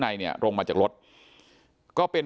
สวัสดีครับทุกคน